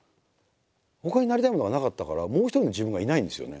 ほかになりたいものがなかったからもう一人の自分がいないんですよね。